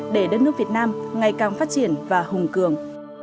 để đất nước việt nam ngày càng phát triển và hùng cường